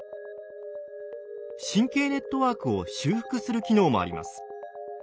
神経ネットワークを修復する機能もあります。